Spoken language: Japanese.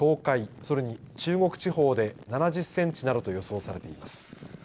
それに中国地方で７０センチなどと予想されています。